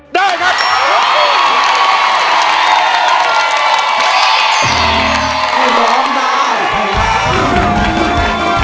ได้ครับ